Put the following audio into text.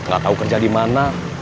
gak tau kerja dimana